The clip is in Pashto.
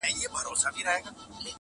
د کښتۍ آرام سفر سو ناکراره٫